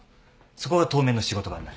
そこが当面の仕事場になる。